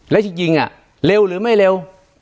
แล้วจริงเร็วหรือไม่เร็ว